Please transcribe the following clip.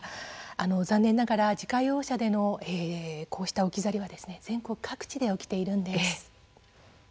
残念ながら自家用車でのこうした置き去りは全国各地で起きているんです。